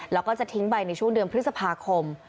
แล้วก็จะทิ้งใบในช่วงเดือนพฤษภาคม